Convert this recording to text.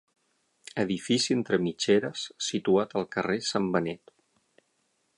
Edifici entre mitgeres situat al carrer Sant Benet.